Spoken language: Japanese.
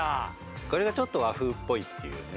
これがちょっと和風っぽいっていうね